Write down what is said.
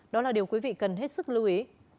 đó là điều quý vị cần hết sức lưu ý